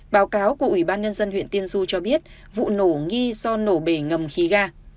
báo cáo của ủy ban nhân dân huyện tiên du cho biết vụ nổ nghi do nổ bể ngầm khí ga